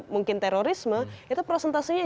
mungkin terorisme itu prosentasinya